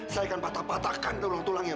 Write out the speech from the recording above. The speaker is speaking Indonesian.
saya akan patah patahkan tulang tulangnya